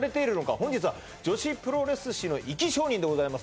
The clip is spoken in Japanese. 本日は女子プロレス史の生き証人でございます